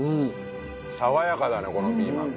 爽やかだねこのピーマンね。